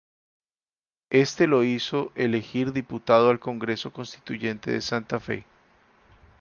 Éste lo hizo elegir diputado al Congreso Constituyente de Santa Fe.